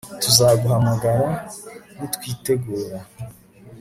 Tuzaguhamagara nitwitegura